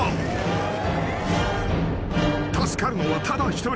［助かるのはただ一人］